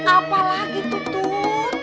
apa lagi tuh tut